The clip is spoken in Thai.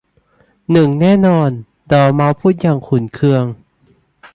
หนึ่งแน่นอน ! 'ดอร์เม้าส์พูดอย่างขุ่นเคือง